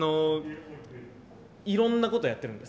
いろんなことやってるんです。